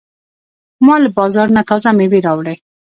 ما له بازار نه تازه مېوې راوړې.